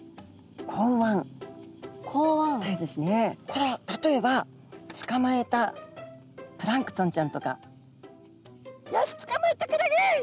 これは例えばつかまえたプランクトンちゃんとかよしつかまえたクラゲ。